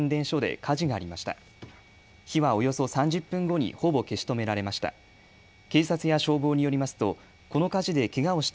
火はおよそ３０分後にほぼ消し止められました。